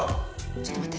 ちょっと待って。